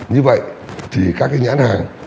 như vậy thì các cái nhãn hàng